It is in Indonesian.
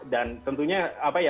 dan tentunya apa ya